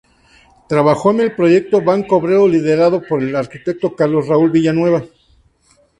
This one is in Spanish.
Trabajó en el proyecto Banco Obrero liderado por el arquitecto Carlos Raúl Villanueva.